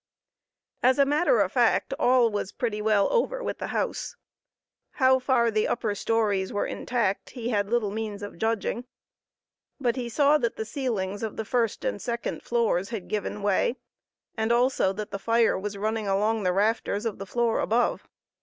As a matter of fact, all was pretty well over with the house. How far the upper storeys were intact he had little means of judging; but he saw that the ceilings of the first and second floors had given way, and also that the fire was running along the rafters of the floor above.